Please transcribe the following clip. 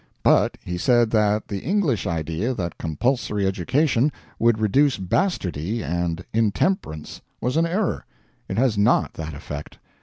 But he said that the English idea that compulsory education would reduce bastardy and intemperance was an error it has not that effect.